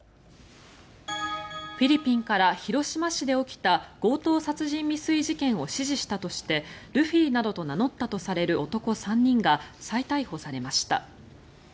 フィリピンから広島市で起きた強盗殺人未遂事件を指示したとしてルフィなどと名乗ったとされる男３人が再逮捕されました。